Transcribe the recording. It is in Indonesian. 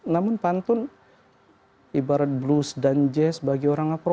namun pantun ibarat blues dan jazz bagi orang apro